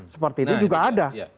seperti itu juga ada